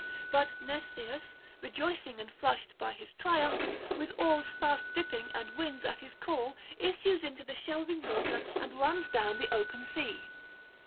But Mnestheus, rejoicing and flushed by his triumph, with oars fast dipping and winds at his call, issues into the shelving water and runs down the open sea.